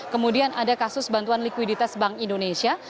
kemudian ada kasus bantuan likuiditas bank indonesia